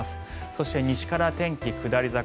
そして西から天気、下り坂。